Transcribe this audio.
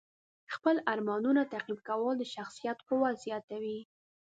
خپل ارمانونه تعقیب کول د شخصیت قوت زیاتوي.